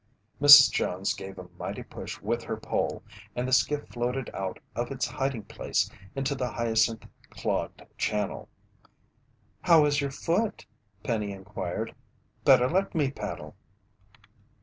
Mrs. Jones gave a mighty push with her pole, and the skiff floated out of its hiding place into the hyacinth clogged channel. "How is your foot?" Penny inquired. "Better let me paddle."